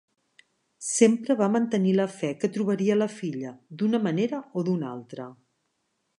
Sempre va mantenir la fe que trobaria la filla, d'una manera o d'una altra.